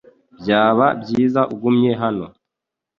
Byaba byiza ugumye hano .